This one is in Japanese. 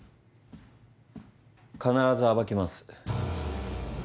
必ず暴きます。